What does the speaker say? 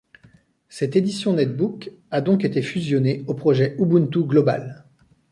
Cette édition netbook a donc été fusionnée au projet Ubuntu global.